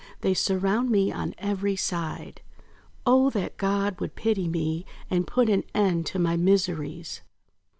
They surround me on every side! Oh, that God would pity me, and put an end to my miseries!'